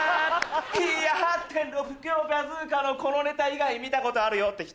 いや８．６秒バズーカーのこのネタ以外見たことあるよって人？